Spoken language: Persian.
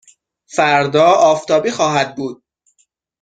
فردا آفتابی خواهد بود.